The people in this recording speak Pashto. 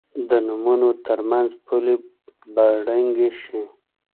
د نومونو تر منځ پولې به ړنګې شي.